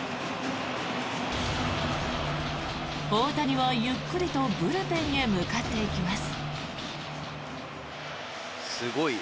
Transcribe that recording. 大谷はゆっくりとブルペンへ向かっていきます。